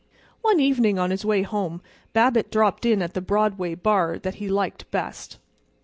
One evening on his way home Babbitt dropped in at the Broadway bar that he liked best.